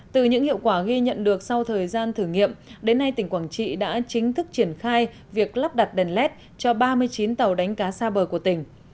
từ những hiệu quả ghi nhận được sau thời gian thử nghiệm đến nay tỉnh quảng trị đã chính thức triển khai việc lắp đặt đèn led cho ba mươi chín tàu đánh cá xa bờ của tỉnh